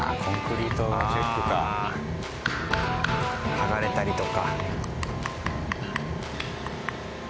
剥がれたりとか。